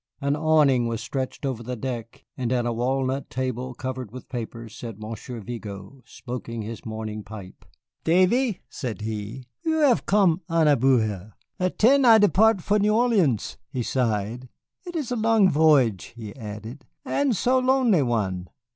An awning was stretched over the deck, and at a walnut table covered with papers sat Monsieur Vigo, smoking his morning pipe. "Davy," said he, "you have come à la bonne heure. At ten I depart for New Orleans." He sighed. "It is so long voyage," he added, "and so lonely one.